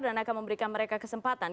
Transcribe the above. dan akan memberikan mereka kesempatan